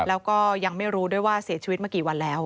แล้วก็ยังไม่รู้ด้วยว่าเสียชีวิตมากี่วันแล้ว